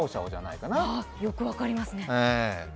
よく分かりますね。